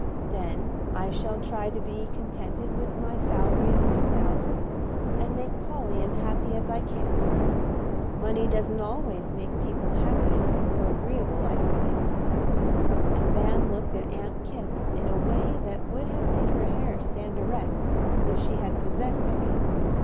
"Then I shall try to be contented with my salary of two thousand, and make Polly as happy as I can. Money doesn't always make people happy or agreeable, I find." And Van looked at Aunt Kipp in a way that would have made her hair stand erect if she had possessed any.